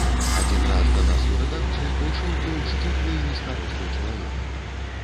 Адзін раз да нас у рэдакцыю прыйшоў быў шчуплы і нізкарослы чалавек.